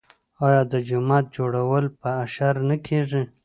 آیا د جومات جوړول په اشر نه کیږي؟